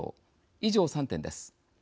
以上、３点です。